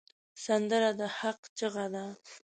سندره د حق چیغه ده